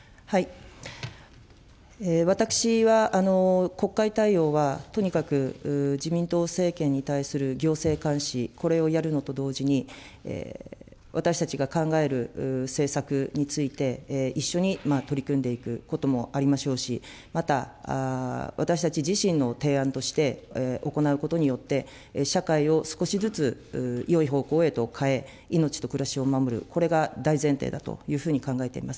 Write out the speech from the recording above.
私は、国会対応は、とにかく自民党政権に対する行政監視、これをやるのと同時に、私たちが考える政策について、一緒に取り組んでいくこともありましょうし、また、私たち自身の提案として行うことによって、社会を少しずつよい方向へと変え、命と暮らしを守る、これが大前提だというふうに考えています。